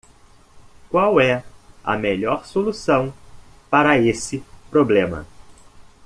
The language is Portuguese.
Qual é a melhor solução para esse problema?